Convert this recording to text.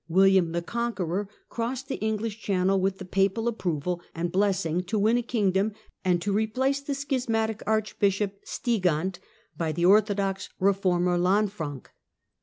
William the Conqueror, crossed the English Channel, with the papal approval and blessing, to win a kingdom, and to replace the schismatic archbishop Stigand ^ by the orthodox reformer Lanfranc.